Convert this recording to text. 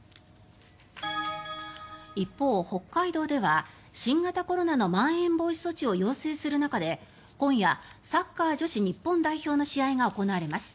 一方、北海道では新型コロナのまん延防止措置を要請する中で、今夜サッカー女子日本代表の試合が行われます。